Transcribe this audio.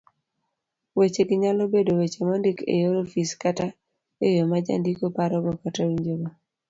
Wechegi nyalo bedo weche mondik eyor ofis kata eyo majandiko parogo kata winjogo